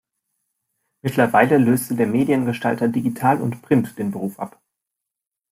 Mittlerweile löste der Mediengestalter Digital und Print den Beruf ab.